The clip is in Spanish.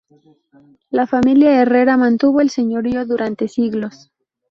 La familia Herrera mantuvo el señorío durante siglos.